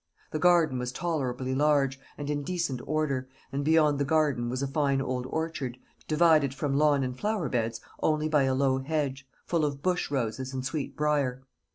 The garden was tolerably large, and in decent order, and beyond the garden was a fine old orchard, divided from lawn and flower beds only by a low hedge, full of bush roses and sweet brier.